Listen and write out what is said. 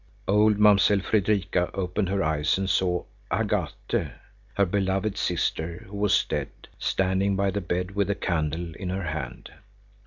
Old Mamsell Fredrika opened her eyes and saw Agathe, her beloved sister who was dead, standing by the bed with a candle in her hand.